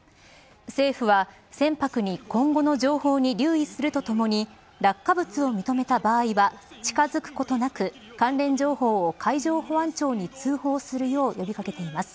政府は、船舶に今後の情報に留意するとともに落下物を認めた場合は近づくことなく関連情報を海上保安庁に通報するよう呼び掛けています。